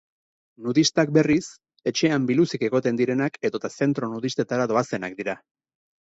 Nudistak berriz, etxean biluzik egoten direnak edota zentro nudistetara doazenak dira.